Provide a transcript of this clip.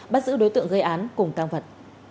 bắt giữ đối tượng gây án cùng căng vật